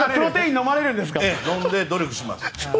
飲んで努力します。